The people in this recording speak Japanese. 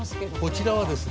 こちらはですね